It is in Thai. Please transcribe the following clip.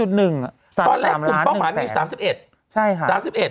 ตอนแรกคุณป้องกันไม่มี๓๑พฤษภาคม